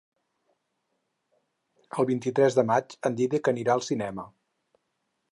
El vint-i-tres de maig en Dídac anirà al cinema.